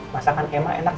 masakan emma enak ya